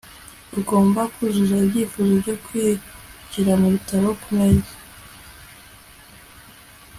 Ugomba kuzuza ibyifuzo byo kwinjira mubitaro kumeza